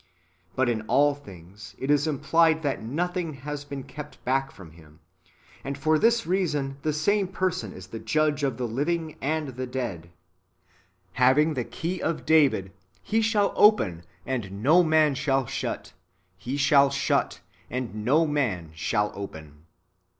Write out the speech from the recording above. But in all things [it is implied that] nothing has been kept back [from Him], and for this reason the same person is the Judge of the living and the dead ;" having the key of David : He shall open, and no man shall shut : He shall shut, and no man shall open."